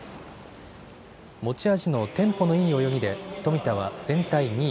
持ち味のテンポのいい泳ぎで富田は全体２位。